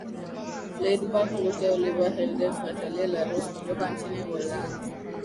Laidback Luke Oliver Heldens Natalie La Rose kutoka nchini Uholanzi